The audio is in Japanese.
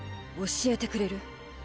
教えてくれる？